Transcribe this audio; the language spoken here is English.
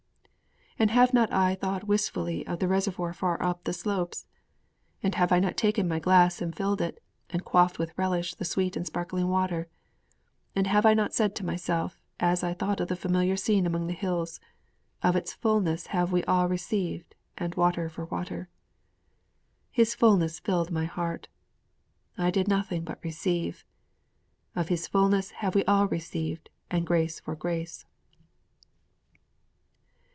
And have I not thought wistfully of the reservoir far up the slopes? And have I not taken my glass and filled it and quaffed with relish the sweet and sparkling water? And have I not said to myself, as I thought of the familiar scene among the hills: 'Of its fullness have all we received, and water for water.' 'His fullness filled my heart!' 'I did nothing but receive!' '_Of His fullness have all we received, and grace for grace!